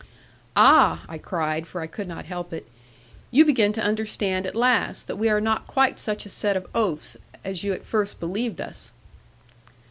'Ah,' I cried, for I could not help it; 'you begin to understand at last, that we are not quite such a set of oafs, as you at first believed us.'